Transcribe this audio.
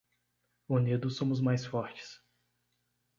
Unidos somos mais fortes